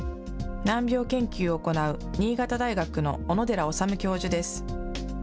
難病研究を行う新潟大学の小野寺理教授です。